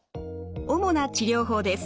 主な治療法です。